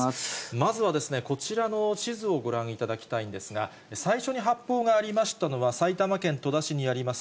まずはこちらの地図をご覧いただきたいんですが、最初に発砲がありましたのは、埼玉県戸田市にあります